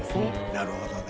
なるほどね。